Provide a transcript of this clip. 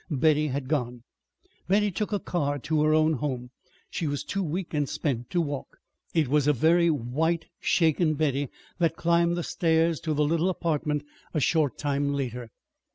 Betty had gone. Betty took a car to her own home. She was too weak and spent to walk. It was a very white, shaken Betty that climbed the stairs to the little apartment a short time later.